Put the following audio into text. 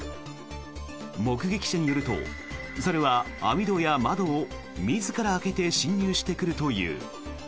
目撃者によると猿は網戸や窓を自ら開けて侵入してくるという。